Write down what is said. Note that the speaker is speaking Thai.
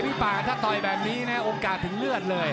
พี่ป่าถ้าต่อยแบบนี้นะโอกาสถึงเลือดเลย